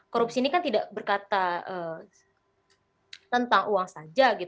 korupsi ini kan tidak berkata tentang uang saja